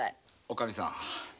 おかみさん